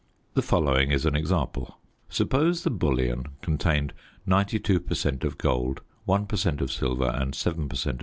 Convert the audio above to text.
The following is an example. Suppose the bullion contains 92 per cent. of gold, 1 per cent. of silver and 7 per cent.